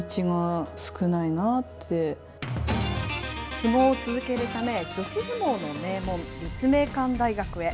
相撲を続けるため、女子相撲の名門、立命館大学へ。